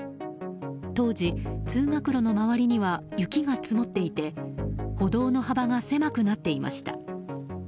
当時、通学路の周りには雪が積もっていて歩道の幅が狭くなっていました。